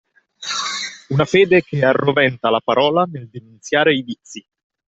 Una fede che arroventa la parola nel denunziare i vizi